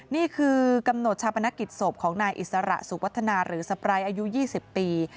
นี่คือกำหนดชาปนกิจศพของนายอิสระสุวัฒนาหรือสปร้ายอายุ๒๐ปี